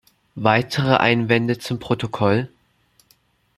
Weitere Einwände zum Protokoll?